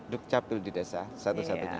duk capil di desa satu satunya